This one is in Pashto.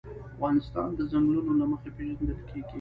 افغانستان د ځنګلونه له مخې پېژندل کېږي.